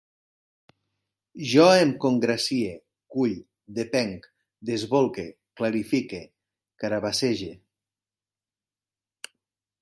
Jo em congracie, cull, depenc, desbolque, clarifique, carabassege